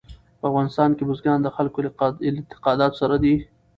په افغانستان کې بزګان د خلکو له اعتقاداتو سره دي.